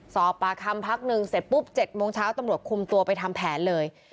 สอบปากคำพักหนึ่งเสร็จปุ๊บ๗โมงเช้าตำรวจคุมตัวไปทำแผนเลย